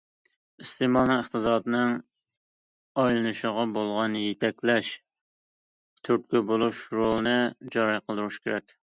ئىستېمالنىڭ ئىقتىسادنىڭ ئايلىنىشىغا بولغان يېتەكلەش، تۈرتكە بولۇش رولىنى جارى قىلدۇرۇش كېرەك.